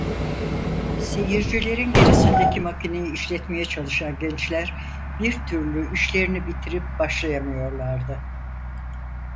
Seyircilerin gerisindeki makineyi işletmeye çalışan gençler bir türlü işlerini bitirip başlayamıyorlardı.